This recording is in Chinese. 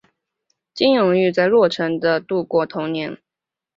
金永玉在洛城的度过童年。